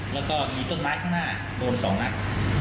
แล้วก็มีต้นไม้ข้างหน้าโดน๒นัด